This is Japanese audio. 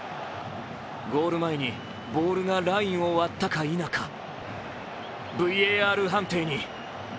ゴール前にボールがラインを割ったか否かＶＡＲ判定に。